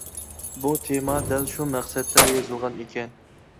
بۇ تېما دەل شۇ مەقسەتتە يېزىلغان ئىكەن.